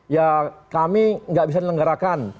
ya kami nggak bisa dilenggarakan